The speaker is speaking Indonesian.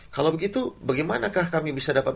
kalau begitu bagaimanakah kami bisa dapat